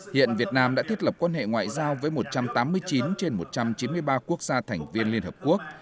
hiện việt nam đã thiết lập quan hệ ngoại giao với một trăm tám mươi chín trên một trăm chín mươi ba quốc gia thành viên liên hợp quốc